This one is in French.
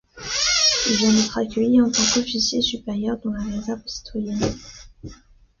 Il vient d'être accueilli en tant qu'officier supérieur dans la réserve citoyenne.